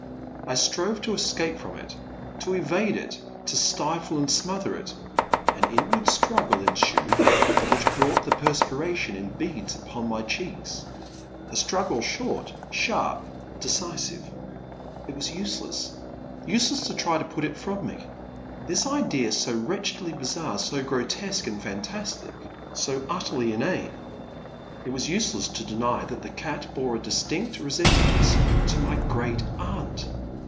I strove to escape from it, to evade it, to stifle and smother it ; an inward struggle ensued which brought the perspiration in beads upon my cheeks, — a struggle short, sharp, decisive. It was useless — ^useless to try to put it from me, — this idea so wretchedly bizarre, so grotesque and fantastic, so utterly inane, — ^it was useless to deny that the cat bore a distinct resemblance to my great aunt